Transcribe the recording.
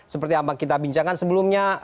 seperti yang kita bincangkan sebelumnya